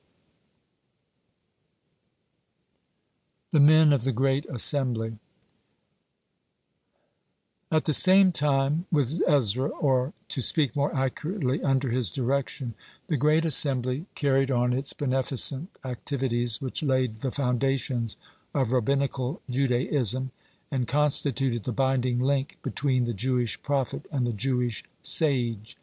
(55) THE MEN OF THE GREAT ASSEMBLY At the same time with Ezra, or, to speak more accurately, under his direction, the Great Assembly carried on its beneficent activities, which laid the foundations of Rabbinical Judaism, and constituted the binding link between the Jewish Prophet and the Jewish Sage.